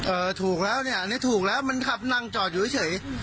ถูกแล้วเนี่ยอันนี้ถูกแล้วมันขับนั่งจอดอยู่เฉย